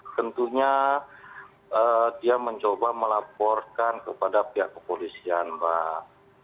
tentunya dia mencoba melaporkan kepada pihak kepolisian pak